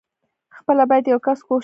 خپله بايد يو کس کوښښ وکي.